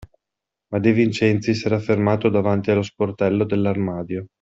Ma De Vincenzi s'era fermato davanti allo sportello dell'armadio.